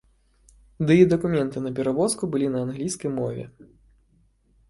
Ды і дакументы на перавозку былі на англійскай мове.